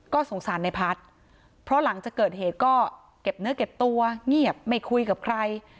ก็สงสารในพัฒน์เพราะหลังจากเกิดเหตุก็เก็บเนื้อเก็บตัวเงียบไม่คุยกับใคร